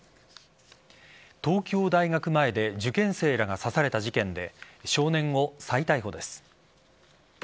東京大学前で受験生らが刺された事件で少年を再逮捕です。